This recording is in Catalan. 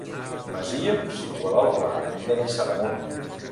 Masia situada al pla de Lliçà d’Amunt.